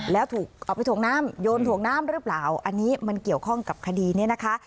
แล้วถูกเอาไปถ่วงน้ำโยนถ่วงน้ำหรือเปล่าอันนี้มันเกี่ยวข้องกับคดีนี้นะคะ